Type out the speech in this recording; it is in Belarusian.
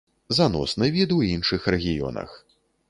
Заносны від у іншых рэгіёнах.